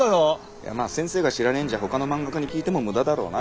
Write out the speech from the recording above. いやまあ先生が知らねーんじゃあ他の漫画家に聞いても無駄だろうな。